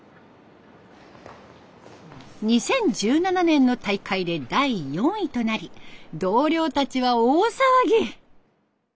２０１７年の大会で第４位となり同僚たちは大騒ぎ。